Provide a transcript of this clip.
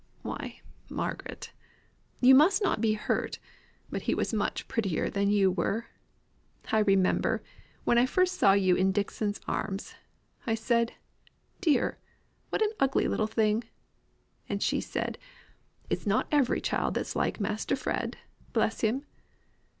"Why, Margaret, you must not be hurt, but he was much prettier than you were. I remember, when I first saw you in Dixon's arms, I said, 'Dear, what an ugly little thing!' And she said, 'It's not every child that's like Master Fred, bless him!